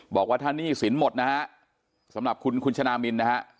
บอกว่าถ้าหนี้สินหมดนะฮะสำหรับคุณคุณชนะมินนะฮะ